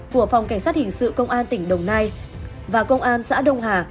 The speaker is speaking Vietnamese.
của phòng cảnh sát hình sự công an tỉnh đồng nai và công an xã đông hà